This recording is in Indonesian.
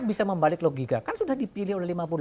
bisa membalik logika kan sudah dipilih oleh